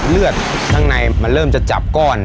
เลือดข้างในมันเริ่มจะจับก้อน